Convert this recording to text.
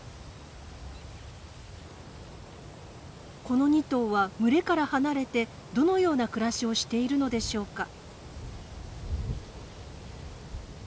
この２頭は群れから離れてどのような暮らしをしているのでしょうか？